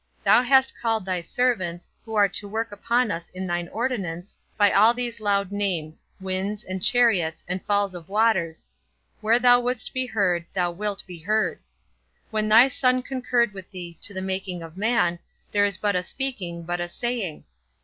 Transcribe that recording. Thou hast called thy servants, who are to work upon us in thine ordinance, by all these loud names winds, and chariots, and falls of waters; where thou wouldst be heard, thou wilt be heard. When thy Son concurred with thee to the making of man, there it is but a speaking, but a saying.